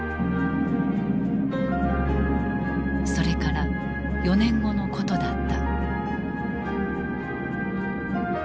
それから４年後のことだった。